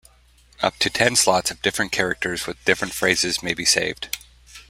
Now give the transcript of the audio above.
Up to ten slots of different characters with different phrases may be saved.